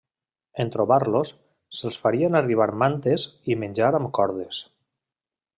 En trobar-los, se'ls farien arribar mantes i menjar amb cordes.